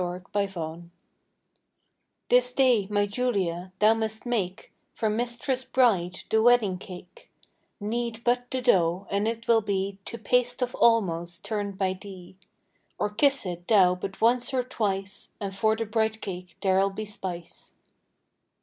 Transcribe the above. THE BRIDE CAKE This day, my Julia, thou must make For Mistress Bride the wedding cake: Knead but the dough, and it will be To paste of almonds turn'd by thee; Or kiss it thou but once or twice, And for the bride cake there'll be spice.